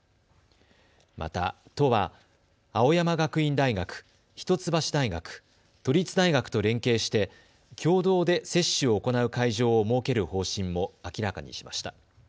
また都は青山学院大学、一橋大学、都立大学と連携して共同で接種を行う会場を設ける方針も明らかにしました。